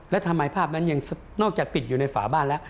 แล้วทำไมภาพนั้นยังนอกจากติดอยู่ในฝาบ้านแล้ว